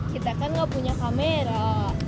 kita kan nggak punya kamera